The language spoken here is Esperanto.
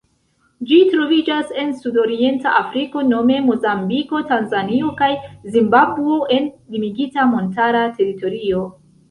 Ĝi troviĝas en sudorienta Afriko nome Mozambiko, Tanzanio kaj Zimbabvo en limigita montara teritorio.